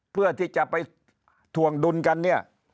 เพื่อที่จะไปถ่วงดุลกันเนี่ย